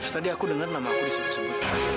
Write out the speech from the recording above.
tadi aku dengar nama aku disebut sebut